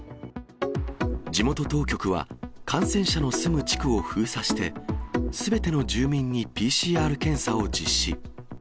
地元当局は、感染者の住む地区を封鎖して、すべての住民にＰＣＲ検査を実施。